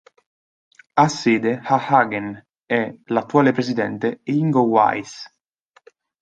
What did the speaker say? Ha sede a Hagen e l'attuale presidente è Ingo Weiss.